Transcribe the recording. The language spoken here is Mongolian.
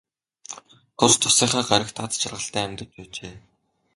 Тус тусынхаа гаригт аз жаргалтай амьдарч байжээ.